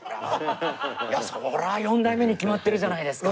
いやそりゃ四代目に決まってるじゃないですか！